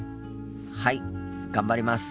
はい頑張ります。